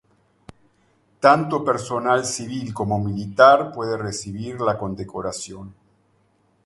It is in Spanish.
Tanto personal civil como militar puede recibir la condecoración.